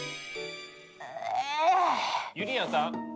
ゆりやんさん！